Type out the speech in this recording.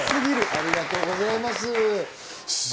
ありがとうございます。